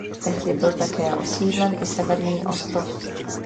Tehdy byl také osídlen i severní ostrov.